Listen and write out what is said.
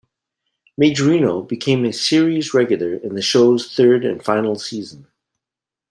Majorino became a series regular in the show's third and final season.